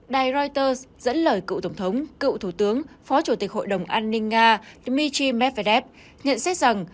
đài reuters dẫn lời cựu tổng thống cựu thủ tướng phó chủ tịch hội đồng an ninh nga dmitry medvedev nhận xét rằng